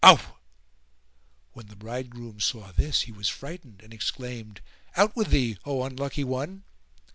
Owh!" When the bridegroom saw this he was frightened and exclaimed "Out with thee, O unlucky one!"